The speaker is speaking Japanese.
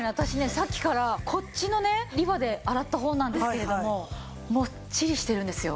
さっきからこっちのねリファで洗った方なんですけれどももっちりしてるんですよ。